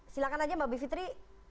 silahkan aja mbak bivitri